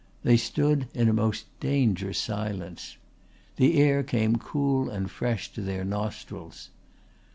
They stood in a most dangerous silence. The air came cool and fresh to their nostrils.